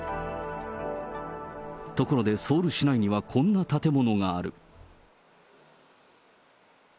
ところでソウル市内にはこんな建物がある。